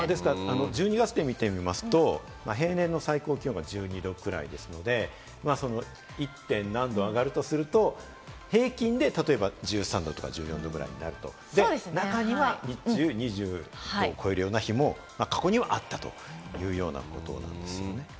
１２月で見てみますと平年の最高気温が１２度ぐらいですので、その１．何度か上がるとすると、平均で例えば１３度とか１４度ぐらいになると、中には日中２０度を超えるような日も過去にはあったというようなことなんですよね。